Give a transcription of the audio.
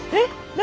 何？